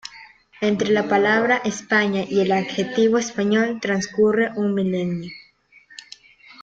Entre la palabra España y el adjetivo español transcurre un milenio.